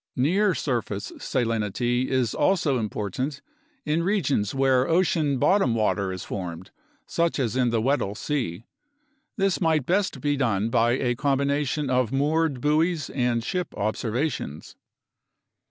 Near surface salinity is also important in regions where ocean bottom water is formed, such as in the Weddell Sea. This might best be done by a combination of moored buoys and ship observations.